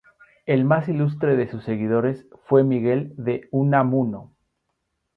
El más ilustre de sus seguidores fue Miguel de Unamuno.